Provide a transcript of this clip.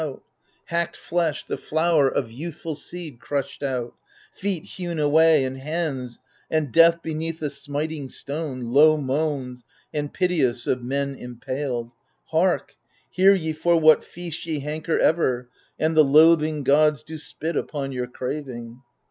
THE FURIES 145 Hacked flesh, the flower of youthful seed crushed out, Feet hewn away, and hands, and death beneath The smiting stone, low moans and piteous Of men impaled — Hark, hear ye for what feast Ye hanker ever, and the loathing gods Do spit upon your craving